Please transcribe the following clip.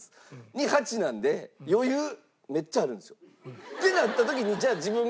に８なんで余裕めっちゃあるんですよ。ってなった時に。